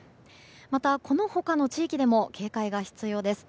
また、この他の地域でも警戒が必要です。